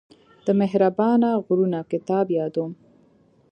د مهربانه غرونه کتاب يادوم.